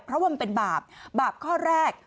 เพราะว่ามันเป็นบาปบาปข้อแรก